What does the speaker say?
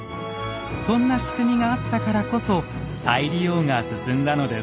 そんな仕組みがあったからこそ再利用が進んだのです。